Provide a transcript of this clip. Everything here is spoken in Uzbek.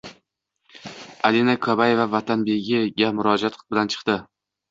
Alina Kabayeva Vatanabega murojaat bilan chiqdi